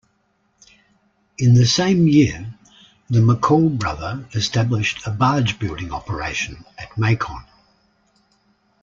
In the same year, the McCall brother established a barge-building operation at Macon.